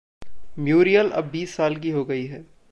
Muriel अब बीस साल की हो गई है।